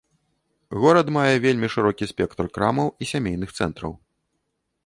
Горад мае вельмі шырокі спектр крамаў і сямейных цэнтраў.